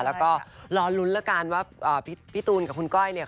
แล้วก็รอลุ้นละกันว่าพี่ตูนกับคุณก้อยเนี่ย